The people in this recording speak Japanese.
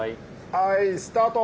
はいスタート。